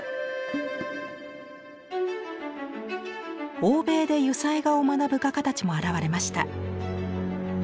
欧米で油彩画を学ぶ画家たちも現れました。